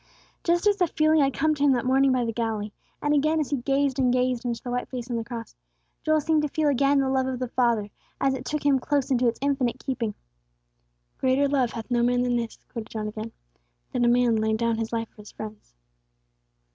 _" Just as the feeling had come to him that morning by the Galilee, and again as he gazed and gazed into the white face on the cross, Joel seemed to feel again the love of the Father, as it took him close into its infinite keeping. "'Greater love hath no man than this,'" quoted John again, "'that a man lay down his life for his friends.'